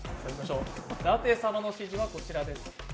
舘様の指示はこちらです。